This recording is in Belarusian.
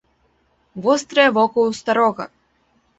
Вострае вока ў старога.